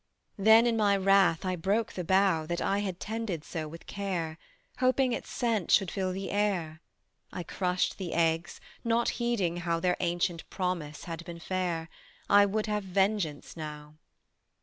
Then in my wrath I broke the bough That I had tended so with care, Hoping its scent should fill the air; I crushed the eggs, not heeding how Their ancient promise had been fair: I would have vengeance now.